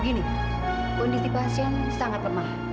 gini kondisi pasien sangat lemah